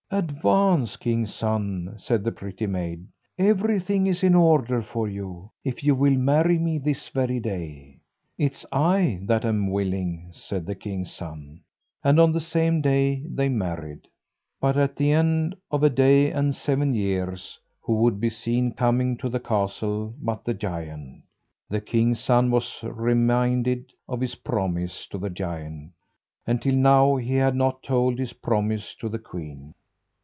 "Advance, king's son," said the pretty maid; "everything is in order for you, if you will marry me this very day." "It's I that am willing," said the king's son. And on the same day they married. But at the end of a day and seven years, who should be seen coming to the castle but the giant. The king's son was reminded of his promise to the giant, and till now he had not told his promise to the queen.